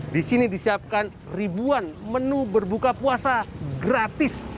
di sini disiapkan ribuan menu berbuka puasa gratis